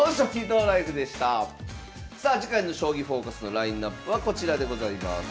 さあ次回の「将棋フォーカス」のラインナップはこちらでございます。